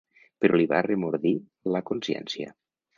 Però li va remordir la consciència.